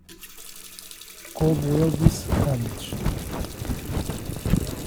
Como eu disse antes